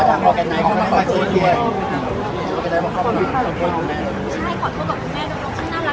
ช่องความหล่อของพี่ต้องการอันนี้นะครับ